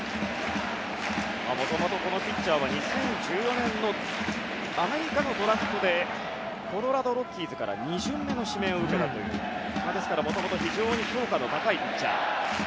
もともとこのピッチャーは２０１４年のアメリカのドラフトでコロラド・ロッキーズから２巡目の指名を受けたというもともと非常に評価の高いピッチャー。